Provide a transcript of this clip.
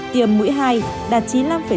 tiêm mũi hai đạt chín mươi năm sáu